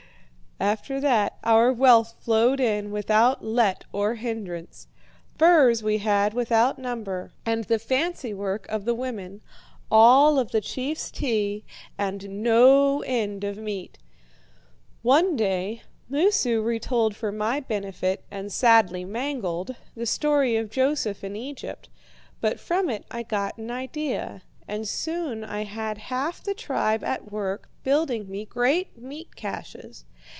"After that our wealth flowed in without let or hindrance. Furs we had without number, and the fancy work of the women, all of the chief's tea, and no end of meat. One day Moosu retold for my benefit, and sadly mangled, the story of Joseph in Egypt, but from it I got an idea, and soon I had half the tribe at work building me great meat caches.